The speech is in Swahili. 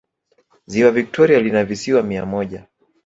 ziwa victoria lina visiwa mia moja